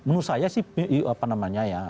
menurut saya sih apa namanya ya